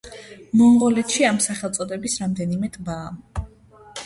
მონღოლეთში ამ სახელწოდების რამდენიმე ტბაა.